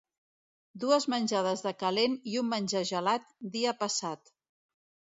Dues menjades de calent i un menjar gelat, dia passat.